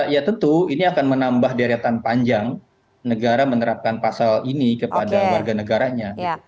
ya tentu ini akan menambah deretan panjang negara menerapkan pasal ini kepada warga negaranya